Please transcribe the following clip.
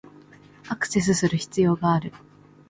アクセスする必要がある